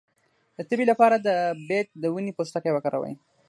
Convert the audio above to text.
د تبې لپاره د بید د ونې پوستکی وکاروئ